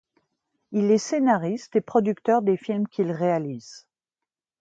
Il est scénariste et producteur des films qu'il réalise.